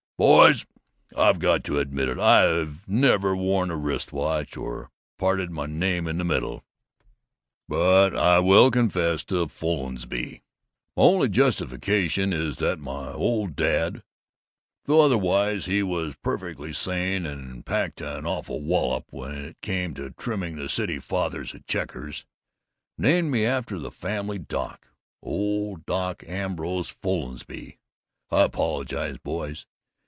"Boys, I've got to admit it. I've never worn a wrist watch, or parted my name in the middle, but I will confess to 'Follansbee.' My only justification is that my old dad though otherwise he was perfectly sane, and packed an awful wallop when it came to trimming the City Fellers at checkers named me after the family doc, old Dr. Ambrose Follansbee. I apologize, boys.